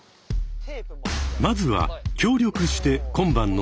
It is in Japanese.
まずは協力して今晩の寝床作り。